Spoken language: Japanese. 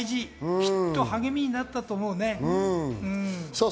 きっと励みになったと思うね。